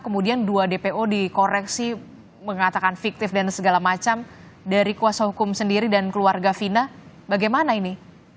kemudian dua dpo dikoreksi mengatakan fiktif dan segala macam dari kuasa hukum sendiri dan keluarga fina bagaimana ini